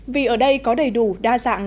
vì ở đây có đầy đủ đa dạng